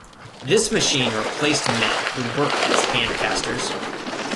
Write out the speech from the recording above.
This machine replaced men who worked as handcasters.